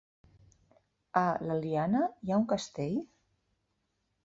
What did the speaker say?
A l'Eliana hi ha un castell?